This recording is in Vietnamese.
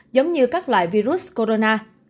giống như các loại virus corona